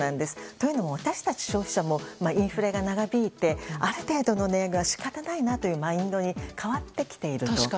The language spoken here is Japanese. というのも私たち消費者もインフレが長引いてある程度の値上げは仕方ないなというマインドに変わってきているんだと。